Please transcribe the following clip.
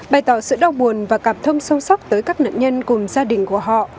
bày tỏ sự đau buồn và cảm thâm sâu sắc tới các nạn nhân cùng gia đình của họ